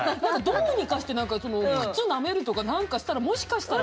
どうにかして何か靴なめるとか何かしたらもしかしたら。